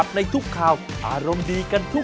สวัสดีค่ะ